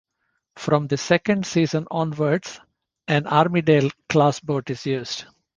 From the second season onwards, an "Armidale"-class boat is used.